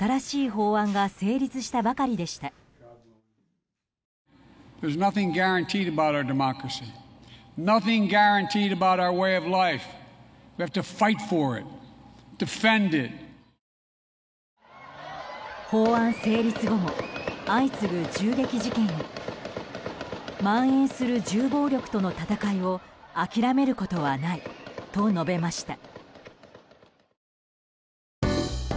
法案成立後も相次ぐ銃撃事件にまん延する銃暴力との戦いを諦めることはないと述べました。